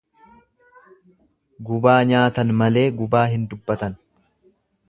Gubaa nyaatan malee gubaa hin dubbatan.